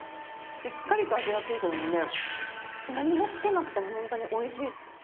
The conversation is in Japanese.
しっかりと味が付いているので、何もつけなくても本当においしい。